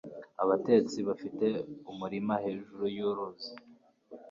Abatetsi bafite umurima hejuru yuruzi.